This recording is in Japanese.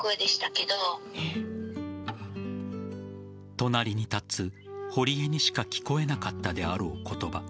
隣に立つ堀江にしか聞こえなかったであろう言葉。